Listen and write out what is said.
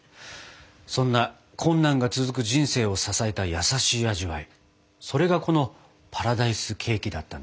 そんな困難が続く人生を支えた優しい味わいそれがこのパラダイスケーキだったんですね。